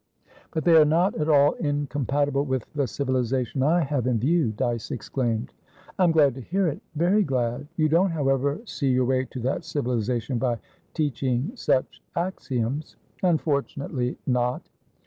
"But they are not at all incompatible with the civilisation I have in view," Dyce exclaimed. "I am glad to hear it; very glad. You don't, however, see your way to that civilisation by teaching such axioms." "Unfortunately not."